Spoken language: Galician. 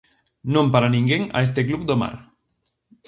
Non para ninguén a este Club do Mar.